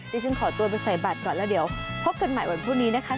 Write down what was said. ที่ฉันขอตัวไปใส่บัตรก่อนแล้วเดี๋ยวพบกันใหม่วันพรุ่งนี้นะคะ